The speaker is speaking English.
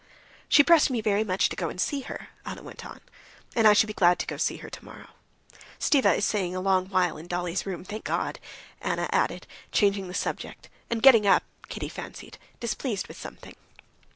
"She pressed me very much to go and see her," Anna went on; "and I shall be glad to go to see her tomorrow. Stiva is staying a long while in Dolly's room, thank God," Anna added, changing the subject, and getting up, Kitty fancied, displeased with something.